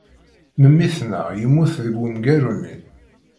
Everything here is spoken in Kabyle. Memmi-tneɣ yemmut deg wemgaru-nni.